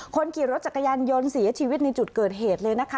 คนขี่รถจักรยานยนต์เสียชีวิตในจุดเกิดเหตุเลยนะคะ